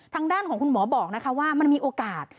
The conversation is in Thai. ทางด้านของคุณหมอบอกนะคะว่ามันมีโอกาส